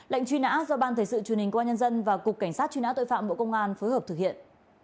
lệnh truy nã do ban thể sự truyền hình công an nhân dân và cục cảnh sát truy nã tội phạm bộ công an phối hợp thực hiện